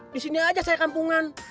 di sini aja saya kampungan